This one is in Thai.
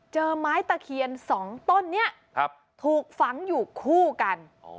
เจอไม้ตะเคียน๒ต้นนี้ถูกฝังอยู่คู่กัน